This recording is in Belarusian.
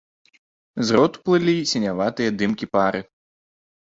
З роту плылі сіняватыя дымкі пары.